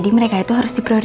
kumber suka ardhidoing spon